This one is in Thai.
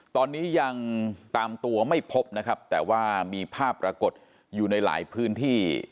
ตอนนี้ยังตามตัวไม่พบนะครับแต่ว่ามีภาพปรากฏอยู่ในหลายพื้นที่